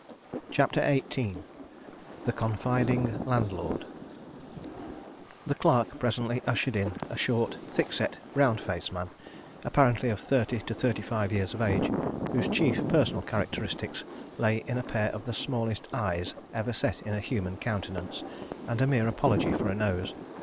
CHAPTER XVIII THE CONFIDING LANDLORD The clerk presently ushered in a short, thick set, round faced man, apparently of thirty to thirty five years of age, whose chief personal characteristics lay in a pair of the smallest eyes ever set in a human countenance and a mere apology for a nose.